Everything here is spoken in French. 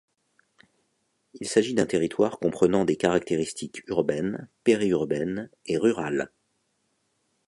Il s’agit d’un territoire comprenant des caractéristiques urbaines, périurbaines, et rurales.